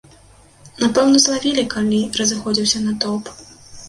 Напэўна, злавілі, калі разыходзіўся натоўп.